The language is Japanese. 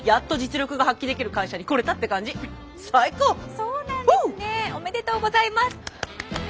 そうなんですねおめでとうございます。